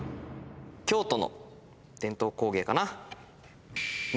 京都の伝統工芸かな。